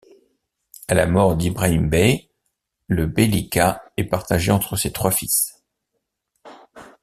À la mort d'İbrahim bey le beylicat est partagé entre ses trois fils.